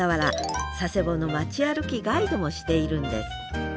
佐世保の町歩きガイドもしているんです